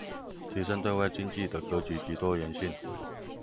提升對外經濟的格局及多元性